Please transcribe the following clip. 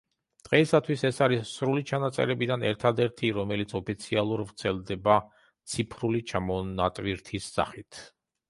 დღეისთვის ეს არის სრული ჩანაწერებიდან ერთადერთი, რომელიც ოფიციალურ ვრცელდება ციფრული ჩამონატვირთის სახით.